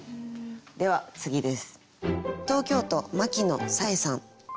では次です。